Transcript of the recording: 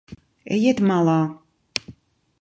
Ejiet malā.